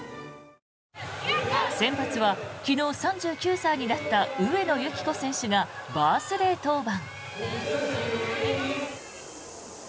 先発は昨日、３９歳になった上野由岐子選手がバースデー登板。